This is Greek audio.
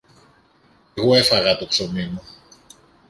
Εγώ έφαγα το ψωμί μου.